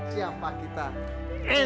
siapa kita indonesia